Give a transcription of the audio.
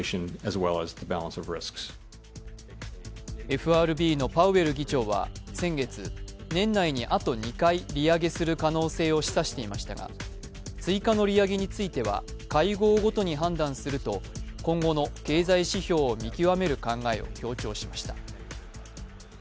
ＦＲＢのパウエル議長は先月、年内にあと２回、利上げする可能性を示唆していましたが追加の利上げについては会合ごとに判断すると今後の経済指標を見極める考えを強調しました。